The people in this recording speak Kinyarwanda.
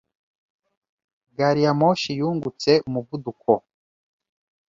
Gariyamoshi yungutse umuvuduko.